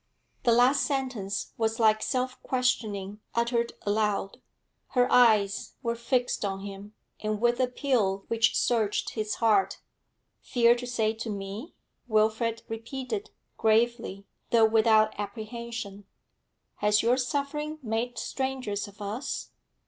The last sentence was like self questioning uttered aloud; her eyes were fixed on him, and with appeal which searched his heart. 'Fear to say to me?' Wilfrid repeated, gravely, though without apprehension. 'Has your suffering made strangers of us?'